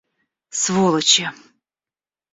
Сволочи!